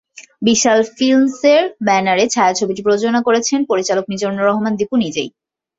বিশাল ফিল্মসের ব্যানারে ছায়াছবিটি প্রযোজনা করেছেন পরিচালক মিজানুর রহমান দীপু নিজেই।